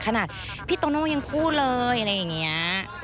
ขนาดพี่โตโน่ยังพูดเลยอะไรอย่างนี้